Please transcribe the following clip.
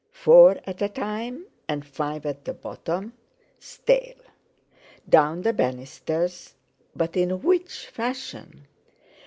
Four at a time, and five at the bottom? Stale! Down the banisters? But in which fashion?